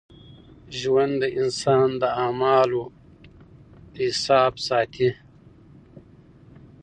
ژوند د انسان د اعمالو حساب ساتي.